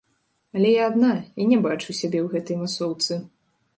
Але я адна, і не бачу сябе ў гэтай масоўцы.